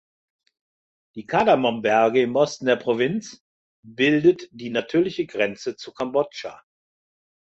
Die Kardamom-Berge im Osten der Provinz bildet die natürliche Grenze zu Kambodscha.